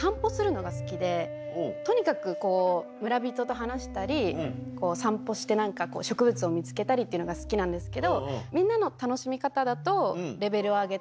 とにかく村人と話したり散歩して植物を見つけたりっていうのが好きなんですけどみんなの楽しみ方だと。